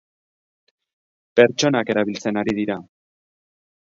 Pertsonak erailtzen ari dira.